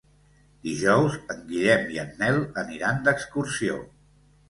Dijous en Guillem i en Nel aniran d'excursió.